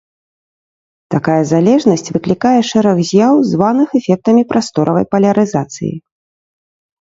Такая залежнасць выклікае шэраг з'яў, званых эфектамі прасторавай палярызацыі.